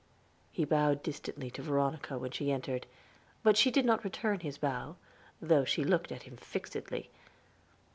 He bowed distantly to Veronica when she entered, but she did not return his bow, though she looked at him fixedly.